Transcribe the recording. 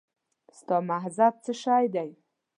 ستا مذهب څه شی دی؟